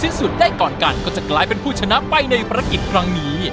สุดได้ก่อนกันก็จะกลายเป็นผู้ชนะไปในภารกิจครั้งนี้